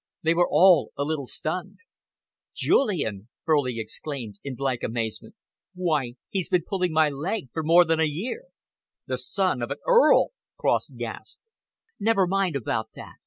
They were all a little stunned. "Julian!" Furley exclaimed, in blank amazement. "Why, he's been pulling my leg for more than a year!" "The son of an Earl!" Cross gasped. "Never mind about that.